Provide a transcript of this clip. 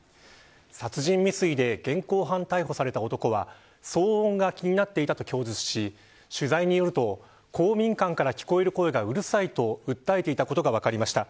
殺人未遂で現行犯逮捕された男は騒音が気になっていたと供述し取材によると公民館から聞こえる声がうるさいと訴えていたことが分かりました。